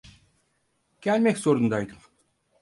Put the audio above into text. Gelmek zorundaydım.